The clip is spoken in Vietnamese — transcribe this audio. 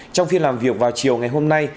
trong phiên làm việc vào chiều ngày hôm nay